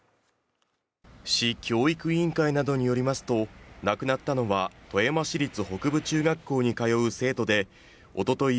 市教育委員会などによりますと亡くなったのは富山市立北部中学校に通う生徒でおととい